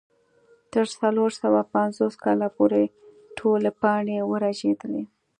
تر څلور سوه پنځوس کاله پورې ټولې پاڼې ورژېدې.